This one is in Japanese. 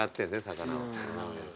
魚を。